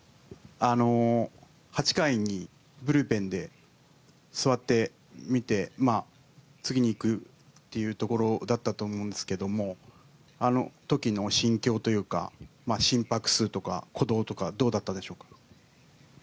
８回にブルペンで座って、見て次に行くというところだったと思うんですけどもあの時の心境というか心拍数とか鼓動とかどうだったでしょうか。